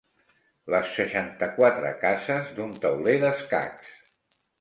Les seixanta-quatre cases d'un tauler d'escacs.